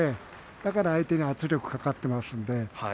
だから相手に圧力がかかっていますね。